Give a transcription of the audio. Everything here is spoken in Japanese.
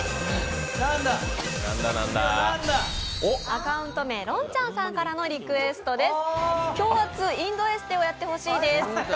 アカウント名、ロンちゃんさんからのリクエストです。